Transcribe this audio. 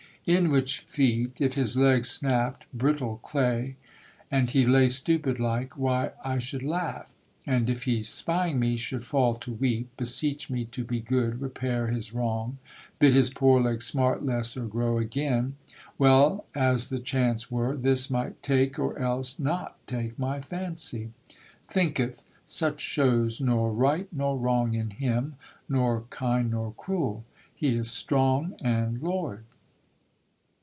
"In which feat, if his leg snapped, brittle clay, And he lay stupid like, why, I should laugh; And if he, spying me, should fall to weep, Beseech me to be good, repair his wrong, Bid his poor leg smart less or grow again, Well, as the chance were, this might take or else Not take my fancy.... 'Thinketh, such shows nor right nor wrong in Him, Nor kind, nor cruel: He is strong and Lord."